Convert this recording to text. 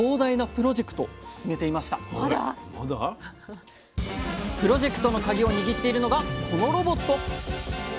プロジェクトのカギを握っているのがこのロボット！